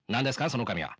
その紙は。